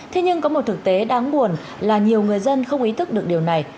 thế nhưng có một thực tế đáng buồn là nhiều người dân không ý thức được điều này